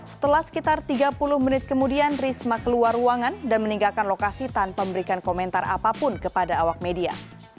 setelah sekitar tiga puluh menit kemudian risma keluar ruangan dan meninggalkan lokasi tanpa memberikan komentar apapun kepada awak media